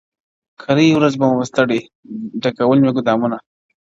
کرۍ ورځ به ومه ستړی ډکول مي ګودامونه،